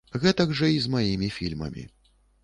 Гэтак жа і з маімі фільмамі.